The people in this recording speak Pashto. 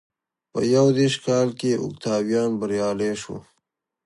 په یو دېرش کال کې اوکتاویان بریالی شو.